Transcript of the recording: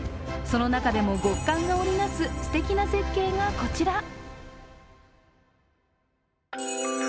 その中でも極寒が織り成すすてきな絶景がこちら。